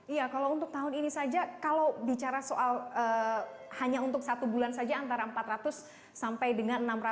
iya kalau untuk tahun ini saja kalau bicara soal hanya untuk satu bulan saja antara empat ratus sampai dengan enam ratus